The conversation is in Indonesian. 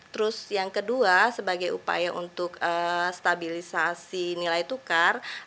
terus yang kedua sebagai upaya untuk stabilisasi nilai tukar